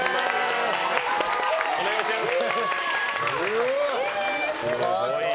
お願いします！